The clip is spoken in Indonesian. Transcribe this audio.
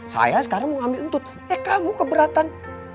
saya sekarang mau ambil untung eh kamu keberatan